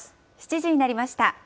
７時になりました。